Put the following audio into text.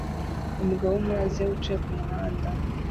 Umugabo wo muri Aziya wicaye kumuhanda